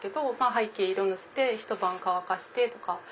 背景色塗ってひと晩乾かしてとか。